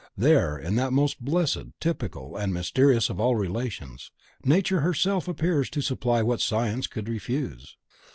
There in that most blessed, typical, and mysterious of all relations, Nature herself appears to supply what Science would refuse.